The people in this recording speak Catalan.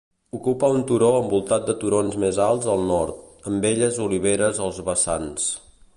Ocupa un turó envoltat de turons més alts al nord, amb belles oliveres als vessants.